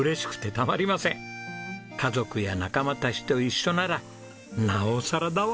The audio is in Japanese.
家族と仲間たちと一緒ならなおさらだわ。